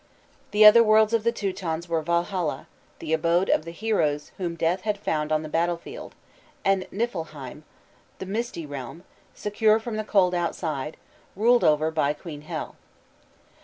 The Otherworlds of the Teutons were Valhalla, the abode of the heroes whom death had found on the battlefield, and Niflheim, "the misty realm," secure from the cold outside, ruled over by Queen Hel.